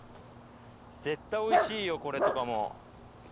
絶対おいしいよ、これとかも。